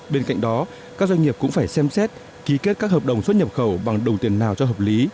bên cạnh đó các doanh nghiệp cũng phải xem xét ký kết các hợp đồng xuất nhập khẩu bằng đồng tiền nào cho hợp lý